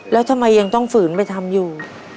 แล้วทำไมยังต้องฝืนไปทำอยู่